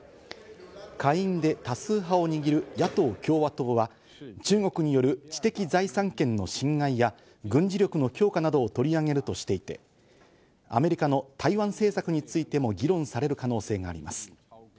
下院で多数派を握る野党・共和党は、中国による知的財産権の侵害や軍事力の強化などを取り上げるとしていて、アメリカの台湾政策についても議論される可能性があります。